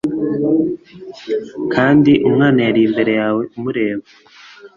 kandi umwana yari imbere yawe umureba